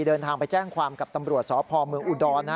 เดินทางไปแจ้งความกับตำรวจสพเมืองอุดร